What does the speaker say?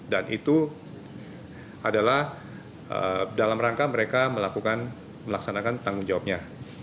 dan itu adalah dalam rangka mereka melakukan melaksanakan tanggung jawabnya